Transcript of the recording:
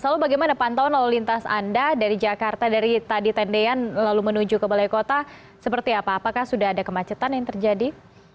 lalu bagaimana pantauan lalu lintas anda dari jakarta dari tadi tendean lalu menuju ke balai kota seperti apa apakah sudah ada kemacetan yang terjadi